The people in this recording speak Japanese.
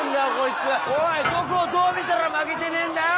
おいどこをどう見たら負けてねえんだよ。